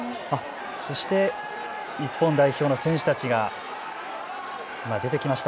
そして日本代表の選手たちが今、出てきました。